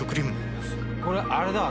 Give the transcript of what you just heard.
これあれだ。